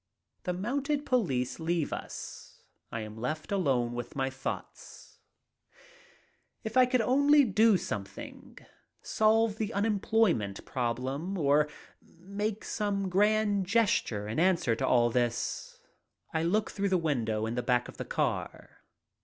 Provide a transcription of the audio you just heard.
The mounted policemen leave us. I am left alone with my thoughts. If I could only do something. Solve the unemployment problem or make some grand gesture, in answer to all this. I look through the window in the back of the car.